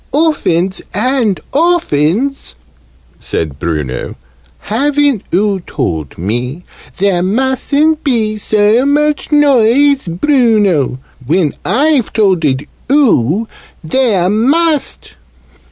"Oftens and oftens," said Bruno, "haven't oo told me 'There mustn't be so much noise, Bruno!' when I've tolded oo 'There must!'